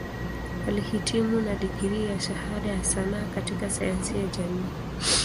Alihitimu na digrii ya Shahada ya Sanaa katika Sayansi ya Jamii.